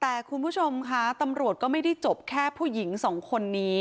แต่คุณผู้ชมค่ะตำรวจก็ไม่ได้จบแค่ผู้หญิงสองคนนี้